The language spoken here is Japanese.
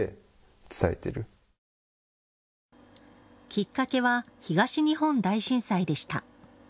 きっかけは東日本大震災でした。